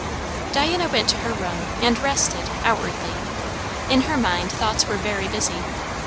Diana went to her room and rested, outwardly. In her mind thoughts were very busy.